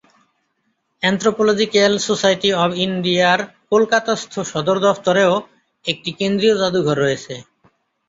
Anthropological society of ইন্ডিয়ার কলকাতাস্থ সদর দফতরেও একটি কেন্দ্রীয় জাদুঘর রয়েছে।